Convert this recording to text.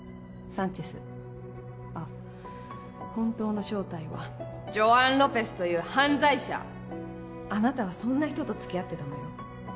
サンチェスあ本当の正体はジョアン・ロペスという犯罪者あなたはそんな人と付き合ってたのよ